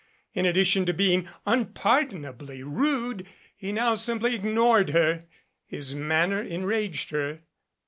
In addition to being unpardonably rude, he now simply ignored her. His manner enraged her.